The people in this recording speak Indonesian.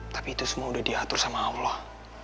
tapi itu semua udah diatur sama allah